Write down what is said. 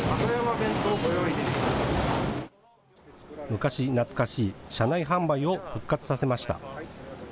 昔懐かしい車内販売を復活させました。